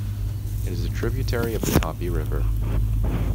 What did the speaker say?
It is a tributary of the Tapi River.